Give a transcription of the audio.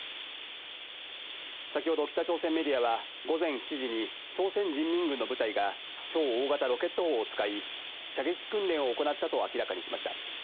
先ほど北朝鮮メディアは午前７時に朝鮮人民軍の部隊が超大型ロケット砲を使い、射撃訓練を行ったと明らかにしました。